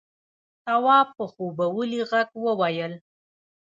تواب په خوبولي غږ وويل: